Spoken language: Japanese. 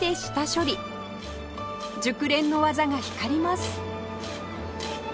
熟練の技が光ります